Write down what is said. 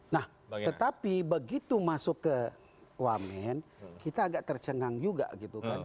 nah tetapi begitu masuk ke wamen kita agak tercengang juga gitu kan